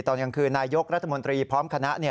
ตอนกลางคืนนายกรัฐมนตรีพร้อมคณะ